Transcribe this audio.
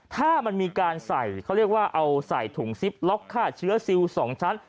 ถ้ามันมีการใส่เขาเรียกว่าเอาใส่ถุงซิปล็อกฆ่าเชื้อซิล๒ชั้น